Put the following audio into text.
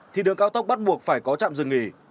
thì đường cao tốc bắt buộc phải có trạm dừng nghỉ